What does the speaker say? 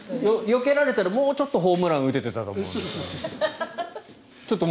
よけられたらもうちょっとホームラン打てていただろうと。